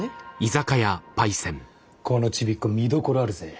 このちびっこ見どころあるぜ。